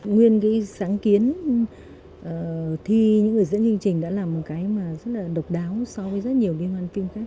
nguyên cái sáng kiến thi những người dẫn chương trình đã là một cái mà rất là độc đáo so với rất nhiều liên hoan phim khác